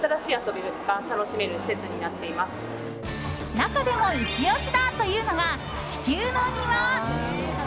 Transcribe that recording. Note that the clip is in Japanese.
中でもイチ押しだというのがちきゅうのにわ。